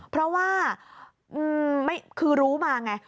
เพราะว่าคือรู้มาไง